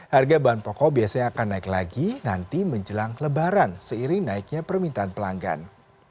harga bahan pokok biasanya akan naik lagi nanti menjelang lebaran seiring naiknya permintaan pelanggan